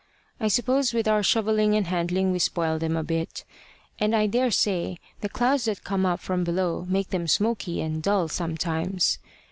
I suppose with our shovelling and handling we spoil them a bit; and I daresay the clouds that come up from below make them smoky and dull sometimes.